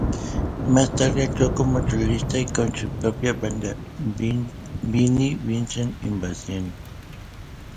Más tarde actuó como solista y con su propia banda, Vinnie Vincent Invasion.